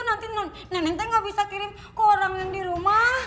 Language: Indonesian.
nanti nenek gue nggak bisa kirim ke orang yang di rumah